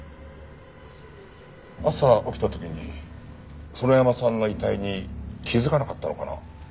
朝起きた時に園山さんの遺体に気づかなかったのかな？